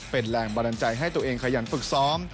เป็นแรงบันดาลใจให้ตัวเองขยันฝึกซ้อม